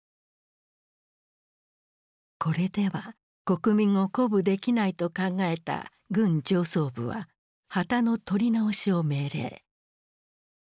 これでは国民を鼓舞できないと考えた軍上層部は旗の撮り直しを命令。